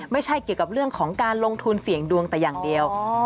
ไม่ใช่เกี่ยวกับเรื่องของการลงทุนเสี่ยงดวงแต่อย่างเดียว